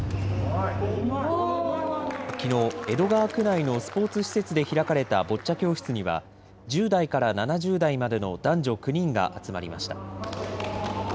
きのう、江戸川区内のスポーツ施設で開かれたボッチャ教室には、１０代から７０代までの男女９人が集まりました。